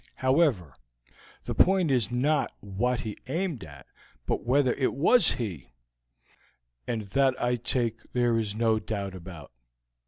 However, the point is not what he aimed at, but whether it was he, and that I take there is no doubt about.